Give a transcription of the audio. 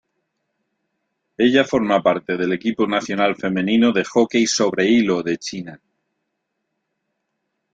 Ella forma parte del equipo nacional femenino de hockey sobre hilo de China.